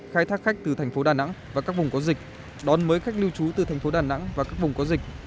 khai thác khách từ thành phố đà nẵng và các vùng có dịch đón mới khách lưu trú từ thành phố đà nẵng và các vùng có dịch